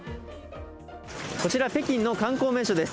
こちら、北京の観光名所です。